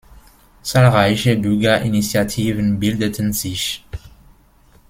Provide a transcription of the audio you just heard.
Zahlreiche Bürgerinitiativen bildeten sich.